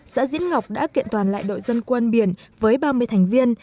xã diễn ngọc đã kiện toàn lại đội dân quân biển với ba mươi thành viên